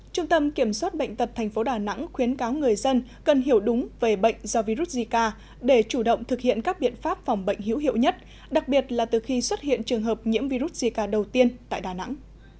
trung tâm kiểm soát bệnh tật tp đà nẵng khuyến cáo người dân cần hiểu đúng về bệnh do virus zika để chủ động thực hiện các biện pháp phòng bệnh hữu hiệu nhất đặc biệt là từ khi xuất hiện trường hợp nhiễm virus zika đầu tiên tại đà nẵng